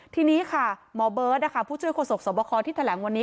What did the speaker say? ทีนี้ค่ะหมอเบิร์ตผู้ช่วยโศกสวบคที่แถลงวันนี้